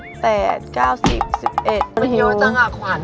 มันเยอะจังอ่ะขวัญ